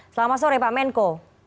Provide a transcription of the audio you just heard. selamat sore pak menko